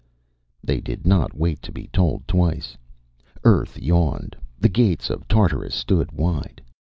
” They did not wait to be told twice. Earth yawned. The gates of Tartarus stood wide.